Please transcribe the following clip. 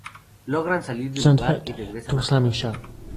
Logran salir del lugar y regresan a su cuartel.